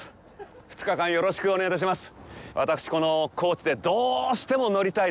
２日間、よろしくお願いいたします。